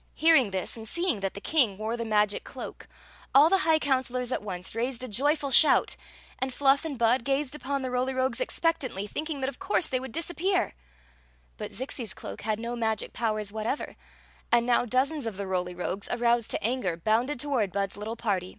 " Hearing this and seeing that the king wore the Story of the Magic Cloak 235 magic cloak, all the high counselors at once raised a joyful shout, and Fluff and Bud gazed upon the Roly Rogues expectantly, thinking that of course they would disappear. But Zixi s cloak had no magic powers whatever ; and now dozens of the Roly Rogues, aroused to anger, bounded toward Bud's litde party.